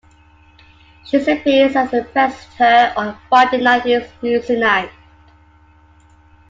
She has appeared as a presenter on "Friday Night is Music Night".